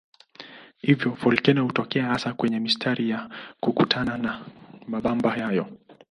Hivyo volkeno hutokea hasa kwenye mistari ya kukutana kwa mabamba hayo.